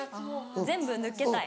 全部抜けたい。